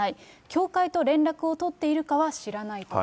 教会と連絡を取っているかは知らないと。